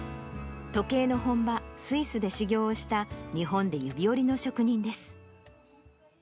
時計の本場、スイスで修業をした、日本で指折りの職人です。